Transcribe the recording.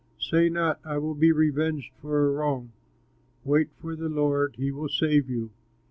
Say not, "I will be revenged for a wrong"; Wait for the Lord, he will save you.